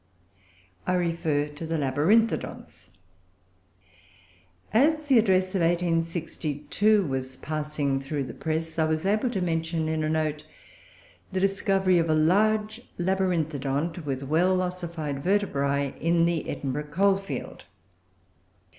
I refer to the Labyrinthodonts. As the Address of 1862 was passing through the press, I was able to mention, in a note, the discovery of a large Labyrinthodont, with well ossified vertebrae, in the Edinburgh coal field.